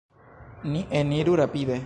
Ni eniru rapide!